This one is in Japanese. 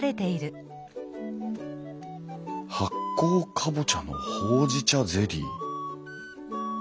「発酵カボチャのほうじ茶ゼリー」？